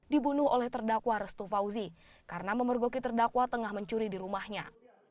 dibunuh oleh terdakwa restu fauzi karena memergoki terdakwa tengah mencuri di rumahnya